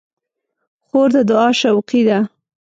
خور د دعا شوقي ده.